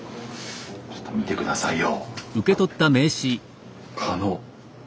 ちょっと見て下さいよ。